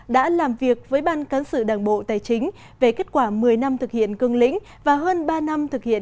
đã làm việc với ban cán sự đảng bộ tài chính về kết quả một mươi năm thực hiện cương lĩnh và hơn ba năm thực hiện